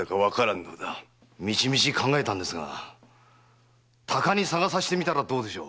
道々考えたんですが鷹に捜させたらどうでしょう？